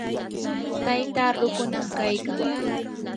taytaa rukunam kaykan.